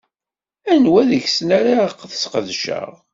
Anwa deg-sen ara sqedceɣ?